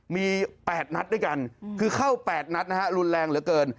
มี๘นัดด้วยกันคือเข้า๘นัดนะฮะรุนแรงเหลือเกิน